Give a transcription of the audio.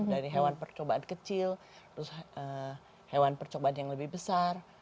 dari hewan percobaan kecil terus hewan percobaan yang lebih besar